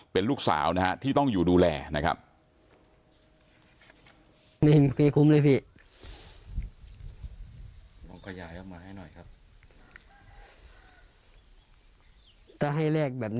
เป็นลูกสาวนะฮะที่ต้องอยู่ดูแลนะครับ